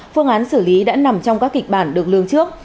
phương án xử lý đã nằm trong các kịch bản được lương trước